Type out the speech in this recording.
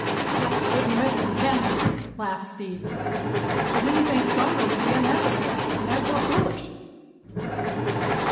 "Just wooden ribs and canvas," laughed Steve; "but anything stronger would be unnecessary, and therefore foolish."